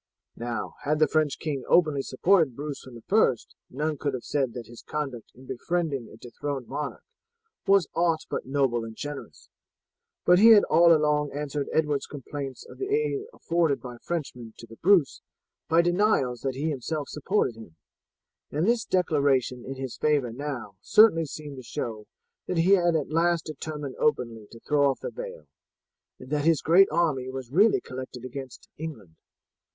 Now, had the French king openly supported Bruce from the first, none could have said that his conduct in befriending a dethroned monarch was aught but noble and generous; but he had all along answered Edward's complaints of the aid afforded by Frenchmen to the Bruce by denials that he himself supported him; and this declaration in his favour now certainly seemed to show that he had at last determined openly to throw off the veil, and that his great army was really collected against England.